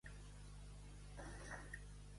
Els d'Olocau del Rei, raboses.